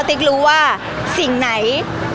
พี่ตอบได้แค่นี้จริงค่ะ